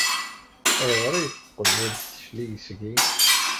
Ayɣer ay teqqel ur d-teclig seg-i?